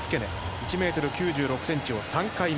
１ｍ９６ｃｍを３回目。